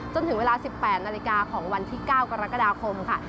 จนถึงเวลา๑๘นาฬิกาของวันที่๙กรกฎาคมค่ะ